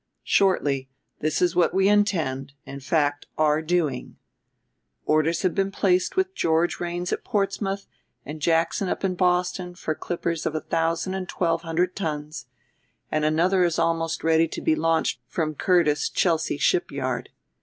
Shortly, this is what we intend, in fact are doing: "Orders have been placed with George Raynes at Portsmouth and Jackson up in Boston for clippers of a thousand and twelve hundred tons and another is almost ready to be launched from Curtis' Chelsea shipyard.